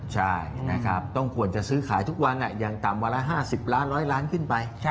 ใช่ต้องควรจะซื้อขายทุกวันยังตามวันละ๕๐ร้าน๑๐๐ล้านบาทขึ้นไป